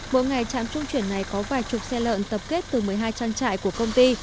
mỗi ngày trạm trung chuyển này có vài chục xe lợn tập kết từ một mươi hai trang trại của công ty